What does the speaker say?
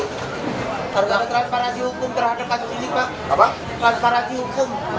harus ada transparansi hukum terhadap asli pak